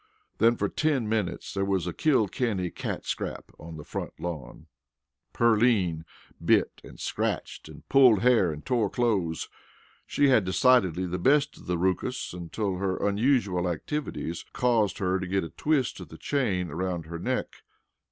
Then for ten minutes there was a Kilkenny cat scrap on the front lawn. Pearline bit and scratched and pulled hair and tore clothes. She had decidedly the best of the rookus until her unusual activities caused her to get a twist of the chain around her neck.